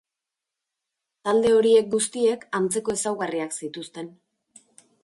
Talde horiek guztiek, antzeko ezaugarriak zituzten.